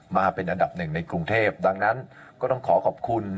มาเป็นอันดับหนึ่งในกรุงเทพดังนั้นก็ต้องขอขอบคุณ